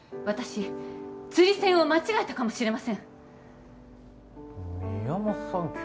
私釣り銭を間違えたかもしれません宮本さん